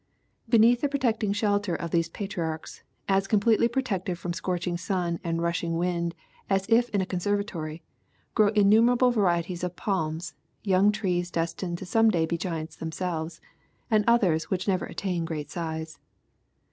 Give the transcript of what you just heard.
Beneath the protecting shelter of these patriarchs^ as com pletely protected from scorching sun and rushing wind as if in a conservatory, grow innumerable varieties of palms, young trees destined Some day to be giants themselves, and others which never attain great size.